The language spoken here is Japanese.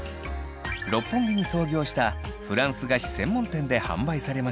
六本木に創業したフランス菓子専門店で販売されました。